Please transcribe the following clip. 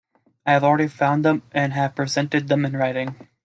I have already found them and have presented them in writing.